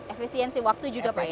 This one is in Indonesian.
efisiensi waktu juga pak ya